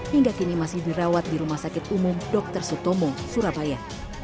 hingga kini masih dirawat di rumah sakit umum dr sutomo surabaya